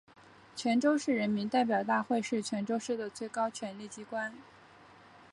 泉州市人民代表大会是泉州市的最高权力机关。